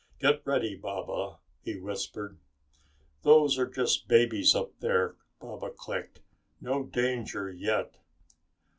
"Get ready, Baba," he whispered. "Those are just babies up there," Baba clicked. "No danger yet!"